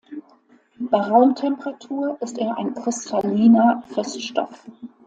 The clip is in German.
Bei Raumtemperatur ist er ein kristalliner Feststoff.